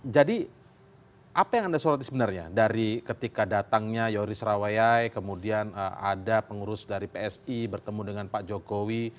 jadi apa yang anda suratkan sebenarnya dari ketika datangnya yoris rawayai kemudian ada pengurus dari psi bertemu dengan pak jokowi